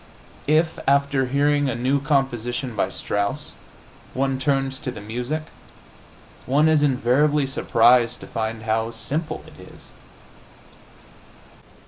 If, after hearing a new composition by Strauss, one turns to the music, one is invariably surprised to find how simple it is.